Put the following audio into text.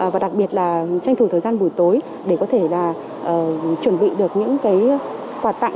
và đặc biệt là tranh thủ thời gian buổi tối để có thể chuẩn bị được những quạt tặng